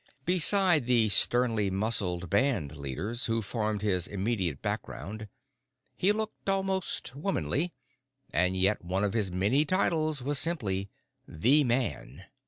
Beside the sternly muscled band leaders who formed his immediate background, he looked almost womanly; and yet one of his many titles was simply The Man.